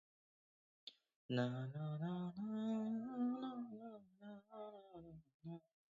All songs written by Ken Hensley, except where noted.